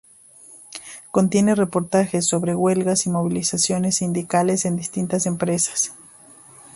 Contiene reportajes sobre huelgas y movilizaciones sindicales en distintas empresas.